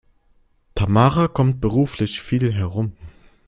Tamara kommt beruflich viel herum.